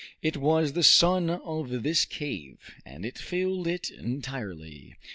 It was the sun of this cave, and it filled it entirely.